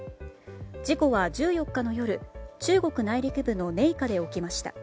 事故は１４日の夜中国内陸部の寧夏で起きました。